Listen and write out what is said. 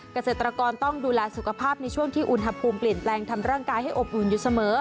เกษตรกรต้องดูแลสุขภาพในช่วงที่อุณหภูมิเปลี่ยนแปลงทำร่างกายให้อบอุ่นอยู่เสมอ